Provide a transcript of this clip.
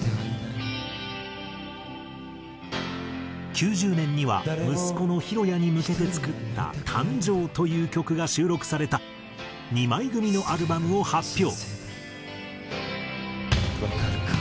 ９０年には息子の裕哉に向けて作った『誕生』という曲が収録された２枚組みのアルバムを発表。